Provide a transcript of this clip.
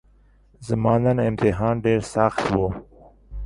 زما نن امتحان ډیرسخت وو